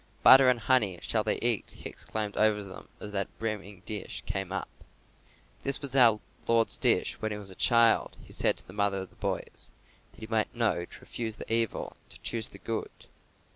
"Butter and honey shall they eat," he exclaimed over them as that brimming dish came up. "This was our Lord's dish when He was a child," he said to the mother of the boys, "that He might know to refuse the evil and to choose the good."